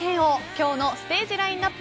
今日のステージラインアップ